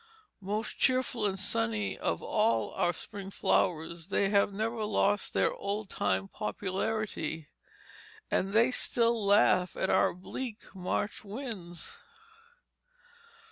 Most cheerful and sunny of all our spring flowers, they have never lost their old time popularity, and they still laugh at our bleak March winds.